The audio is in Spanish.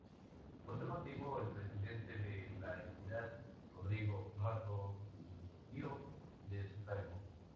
Por tal motivo el presidente de la entidad, Rodrigo Rato dimitió de su cargo.